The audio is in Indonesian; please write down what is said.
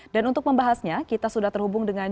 dan untuk membahasnya kita sudah terhubung dengan